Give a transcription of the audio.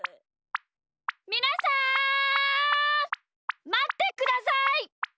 みなさんまってください！